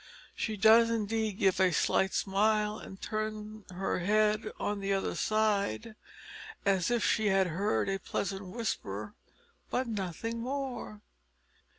She does indeed give a slight smile and turn her head on the other side, as if she had heard a pleasant whisper, but nothing more.